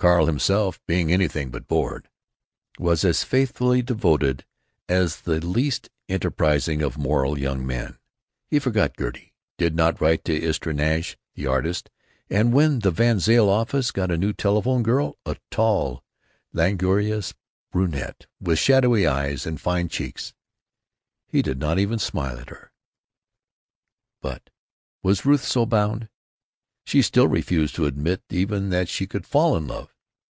Carl himself, being anything but bored, was as faithfully devoted as the least enterprising of moral young men, He forgot Gertie, did not write to Istra Nash the artist, and when the VanZile office got a new telephone girl, a tall, languorous brunette with shadowy eyes and fine cheeks, he did not even smile at her. But—was Ruth so bound? She still refused to admit even that she could fall in love.